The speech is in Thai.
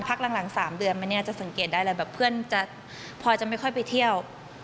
พักหลัง๓เดือนสังเกตได้แบบเพื่อนปลอดภัยจะไม่ค่อยไปเที่ยว